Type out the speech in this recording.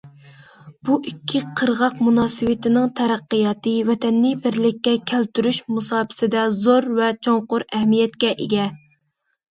بۇ، ئىككى قىرغاق مۇناسىۋىتىنىڭ تەرەققىياتى، ۋەتەننى بىرلىككە كەلتۈرۈش مۇساپىسىدە زور ۋە چوڭقۇر ئەھمىيەتكە ئىگە.